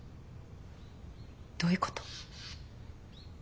どういうこと？